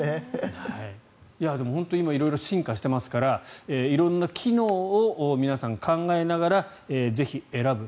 でも本当に今色々進化していますから色んな機能を皆さん考えながらぜひ選ぶ。